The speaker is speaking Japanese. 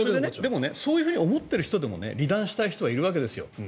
でも、そういうふうに思っている人でも離檀したい人もいるわけですよ。